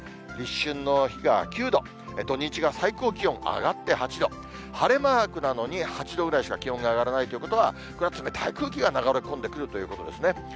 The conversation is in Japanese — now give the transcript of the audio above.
立春の日が９度、土日が最高気温上がって８度、晴れマークなのに８度ぐらいしか気温が上がらないということは、これは冷たい空気が流れ込んでくるということですね。